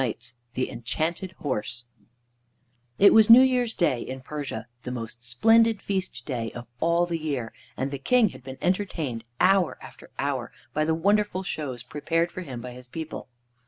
II THE ENCHANTED HORSE It was New Year's day in Persia, the most splendid feast day of all the year, and the King had been entertained, hour after hour, by the wonderful shows prepared for him by his people.